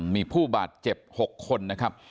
มีผู้บาดเจ็บ๖คนนะครับ